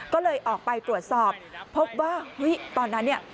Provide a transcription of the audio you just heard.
ก็เลยออกไปตรวจสอบพบว่าเฮ้ยตอนนั้นเนี่ย